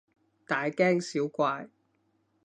大驚小怪